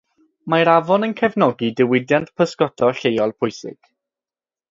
Mae'r afon yn cefnogi diwydiant pysgota lleol pwysig.